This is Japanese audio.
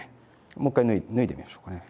もう一回脱いでみましょうかね。